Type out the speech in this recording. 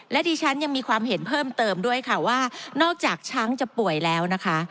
และดิฉันยังมีความเห็นเพิ่มเติมด้วยค่ะว่านอกจากช้างจะป่วยแล้วนะคะ